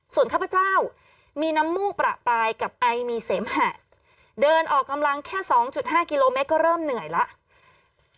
ส่วนข้าพเจ้ามีน้ำมูกประปายกับไอมีเสมหะเดินออกกำลังแค่๒๕กิโลเมตรก็เริ่มเหนื่อยแล้ว